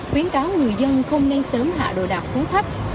khuyến cáo người dân không nên sớm hạ đồ đạc xuống thấp